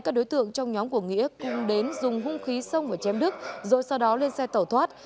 các đối tượng trong nhóm của nghĩa cùng đến dùng hung khí sông và chém đức rồi sau đó lên xe tẩu thoát